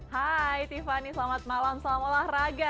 hai tiffany selamat malam salam olahraga